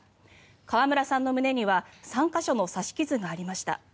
川村さんの胸には３か所の刺し傷がありました。